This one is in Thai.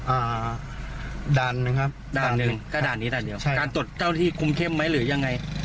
อ่าด่านหนึ่งครับด่านหนึ่งก็ด่านนี้ด่านเดียวใช่ด่านตรวจเจ้าที่คุมเข้มไหมหรือยังไง